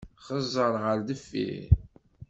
Xeẓẓeṛ ar deffir!